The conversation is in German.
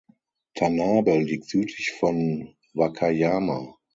Tanabe liegt südlich von Wakayama.